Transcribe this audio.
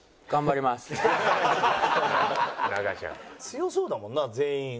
強そうだもんな全員。